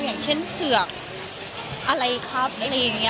อย่างเช่นเสือกอะไรครับอะไรอย่างนี้